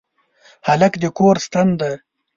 هلک د کور ستن دی.